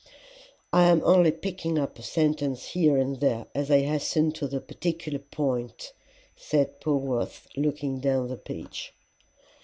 "I am only picking up a sentence here and there, as I hasten to the particular point," said Polwarth, looking down the page.